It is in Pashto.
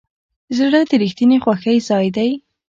زړه د رښتینې خوښۍ ځای دی.